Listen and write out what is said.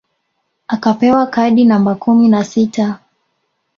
Akapewa kadi namba kumi na sita